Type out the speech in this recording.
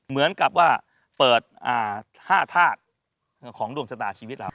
เหมือนกับว่าเปิด๕ธาตุของดวงชะตาชีวิตเรา